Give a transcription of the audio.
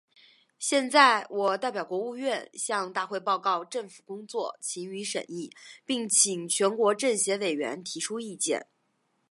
现在，我代表国务院，向大会报告政府工作，请予审议，并请全国政协委员提出意见。